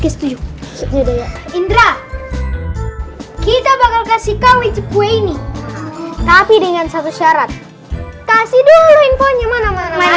setuju sudah indra kita bakal kasih kau icu kue ini tapi dengan satu syarat kasih dulu infonya mana mana